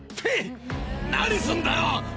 何すんだよ！